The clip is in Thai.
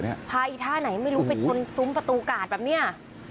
พาอีท่าไหนไม่รู้ไปชนซุ้มประตูกาดแบบเนี้ย